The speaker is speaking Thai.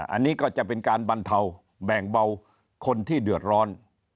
อันนี้ก็จะเป็นการบรรเทาแบ่งเบาคนที่เดือดร้อน